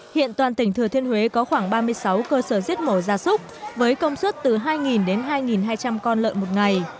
hiện toàn tỉnh thừa thiên huế có khoảng ba mươi sáu cơ sở giết mổ ra súc với công suất từ hai đến hai hai trăm linh con lợn một ngày